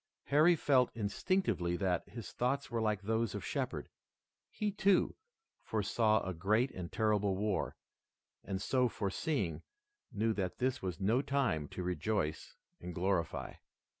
Harry felt instinctively that his thoughts were like those of Shepard. He, too, foresaw a great and terrible war, and, so foreseeing, knew that this was no time to rejoice and glorify.